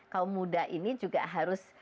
kaum muda ini juga harus